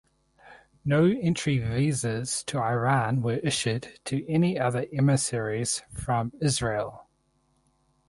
No entry visas to Iran were issued to any other emissaries from Israel.